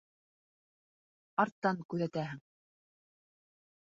Арттан күҙәтәһең.